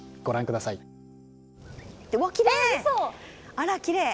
あらきれい。